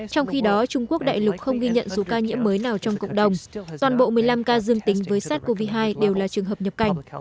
trong khi đó trung quốc đại lục không ghi nhận số ca nhiễm mới nào trong cộng đồng toàn bộ một mươi năm ca dương tính với sars cov hai đều là trường hợp nhập cảnh